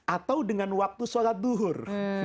atau dengan waktu sholat duhur